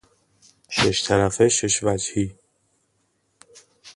شش طرفه، شش وجهی